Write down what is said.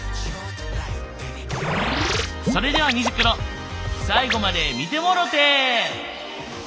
それでは「虹クロ」最後まで見てもろて！